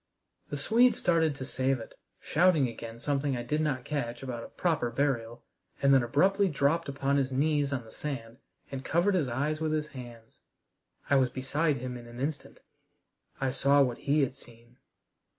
The Swede started to save it, shouting again something I did not catch about a "proper burial" and then abruptly dropped upon his knees on the sand and covered his eyes with his hands. I was beside him in an instant. I saw what he had seen.